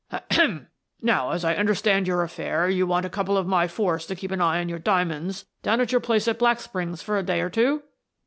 "Ahem! Now, as I understand your affair, you want a couple of my force to keep an eye on your diamonds down at your place at Black Springs for a day or two?"